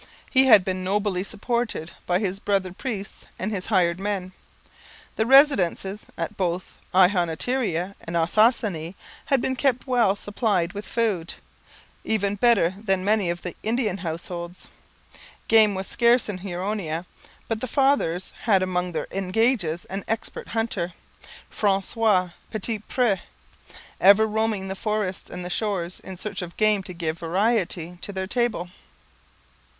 He had been nobly supported by his brother priests and his hired men. The residences at both Ihonatiria and Ossossane had been kept well supplied with food, even better than many of the Indian households. Game was scarce in Huronia, but the fathers had among their engages an expert hunter, Francois Petit Pre, ever roaming the forest and the shores in search of game to give variety to their table.